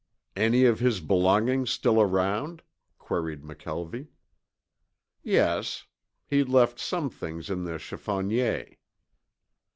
"Any of his belongings still around?" queried McKelvie. "Yes, he left some things in the chiffonier."